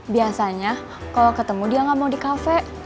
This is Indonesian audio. biasanya kalo ketemu dia gak mau di cafe